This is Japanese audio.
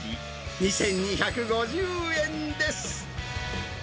２２５０円です。